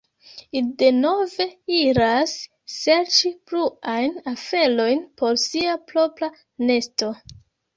Ili denove iras serĉi bluajn aferojn por sia propra nesto.